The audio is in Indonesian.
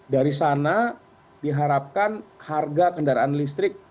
dari sana diharapkan harga kendaraan listrik